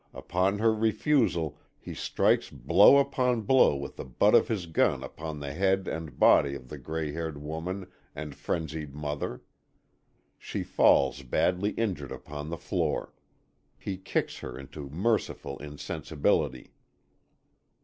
Upon her refusal he strikes blow upon blow with the butt of his gun upon the head and body of the grey haired woman and frenzied mother. She falls badly injured upon the floor. He kicks her into merciful insensibility.